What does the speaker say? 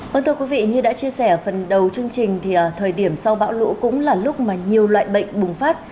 vâng thưa quý vị như đã chia sẻ phần đầu chương trình thì thời điểm sau bão lũ cũng là lúc mà nhiều loại bệnh bùng phát